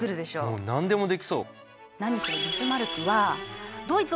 もう何でもできそう。